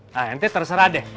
nah ente terserah deh